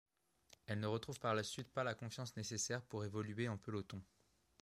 Elle ne retrouve par la suite pas la confiance nécessaire pour évoluer en peloton.